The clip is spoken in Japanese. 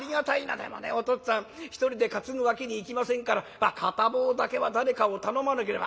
でもねお父っつぁん１人で担ぐわけにいきませんから片棒だけは誰かを頼まなければ」。